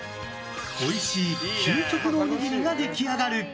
おいしい究極のおにぎりが出来上がる。